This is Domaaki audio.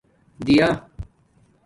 دِیݳ